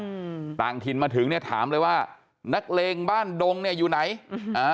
อืมต่างถิ่นมาถึงเนี้ยถามเลยว่านักเลงบ้านดงเนี้ยอยู่ไหนอืมอ่า